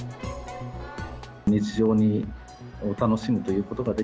日常を楽しむということがで